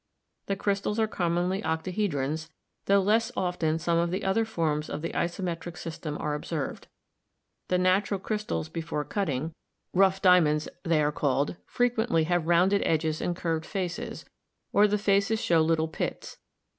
The crystals are commonly octahedrons, though less often some of the other forms of the isometric system are observed. The natural crystals before cutting — DESCRIPTIVE MINERALOGY 261 'rough diamonds' they are called — frequently have rounded edges and curved faces, or the faces show little pits.